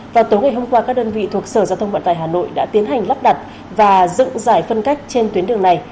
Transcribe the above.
vào tối ngày hôm qua các đơn vị thuộc sở giao thông vận tải hà nội đã tiến hành lắp đặt và dựng giải phân cách trên tuyến đường này